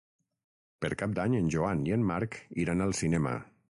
Per Cap d'Any en Joan i en Marc iran al cinema.